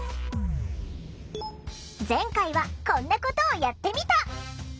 前回はこんなことをやってみた。